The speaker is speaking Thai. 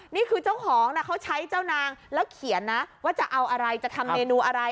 นี่คือเจ้าของนะเขาใช้เจ้านางแล้วเขียนนะว่าจะเอาอะไรจะทำเมนูอะไร